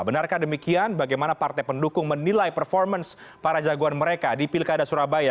benarkah demikian bagaimana partai pendukung menilai performance para jagoan mereka di pilkada surabaya